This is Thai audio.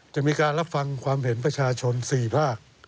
จะมีการรับฟังความเห็นประชาชน๔ภาค